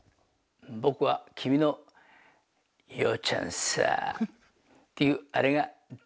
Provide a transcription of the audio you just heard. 僕は君の「洋ちゃんさあ」っていうアレが大好きです。